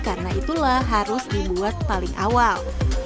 karena itulah harus dibuat paling awal